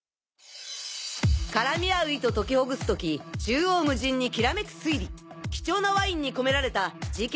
絡み合う糸解きほぐす時縦横無尽にきらめく推理貴重なワインに込められた事件